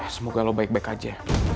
semoga lo baik baik aja